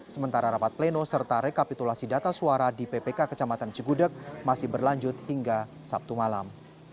sementara rapat pleno serta rekapitulasi data suara di ppk kecamatan cigudeg masih berlanjut hingga sabtu malam